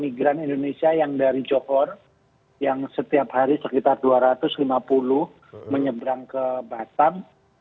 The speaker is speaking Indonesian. migran indonesia yang dari johor yang setiap hari sekitar dua ratus lima puluh menyebrang ke batam